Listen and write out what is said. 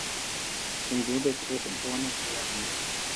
Sendube tre bona plano!